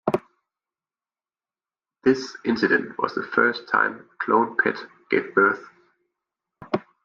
This incident was the first time a cloned pet gave birth.